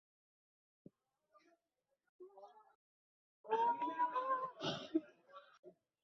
নাদওয়াতুল উলামার জার্নাল আল-নাদওয়াহ শাহজাহানপুর থেকে শুরু হয়েছিল, যখন তিনি ম্যানেজার ছিলেন।